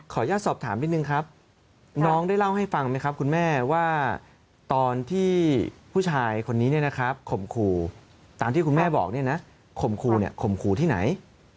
อยากสอบถามนิดนึงครับน้องได้เล่าให้ฟังไหมครับคุณแม่ว่าตอนที่ผู้ชายคนนี้เนี่ยนะครับข่มขู่ตามที่คุณแม่บอกเนี่ยนะข่มขู่เนี่ยข่มขู่ที่ไหน